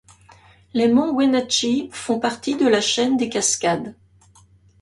Les monts Wenatchee font partie de la chaîne des Cascades.